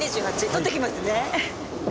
取ってきますね！